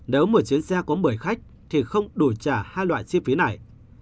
nếu một chiến xe có một mươi khách thì không đủ trả hai loại chi phí này